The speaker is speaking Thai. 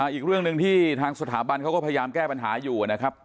อีกเรื่องหนึ่งที่ทางสถาบันเขาก็พยายามแก้ปัญหาอยู่นะครับ